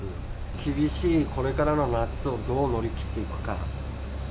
厳しいこれからの夏をどう乗り切っていくか。